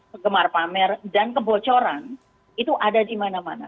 kegemar pamer dan kebocoran itu ada di mana mana